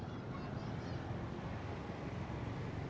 kota pematang siantar